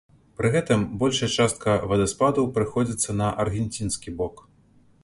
Пры гэтым большая частка вадаспадаў прыходзіцца на аргенцінскі бок.